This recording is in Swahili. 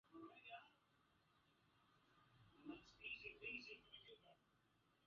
Abakunta Kundi la Suba liliingia Kenya kutoka eneo la Mara Tanzania Ingawa Wasuba huchukuliwa